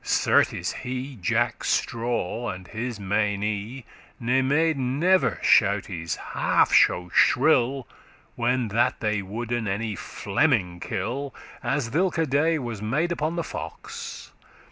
Certes he, Jacke Straw,<35> and his meinie,* *followers Ne made never shoutes half so shrill When that they woulden any Fleming kill, As thilke day was made upon the fox.